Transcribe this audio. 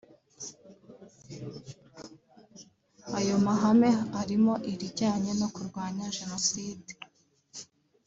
Ayo mahame arimo irijyanye no kurwanya Jenoside